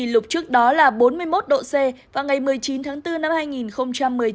lục trước đó là bốn mươi một độ c vào ngày một mươi chín tháng bốn năm hai nghìn một mươi chín